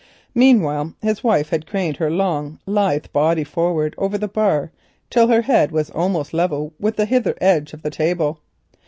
Meanwhile his wife had craned her long lithe body forward over the bar till her head was almost level with the hither edge of the table.